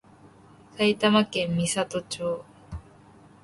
埼玉県美里町